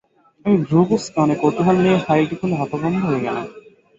আমি ভ্রু কুঁচকে অনেক কৌতূহল নিয়ে ফাইলটি খুলে হতভম্ব হয়ে গেলাম।